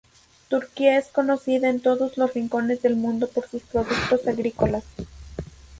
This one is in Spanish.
Turquía es conocida en todos los rincones del mundo por sus productos agrícolas.